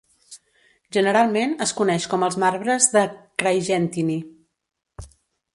Generalment es coneix com els marbres de Craigentinny.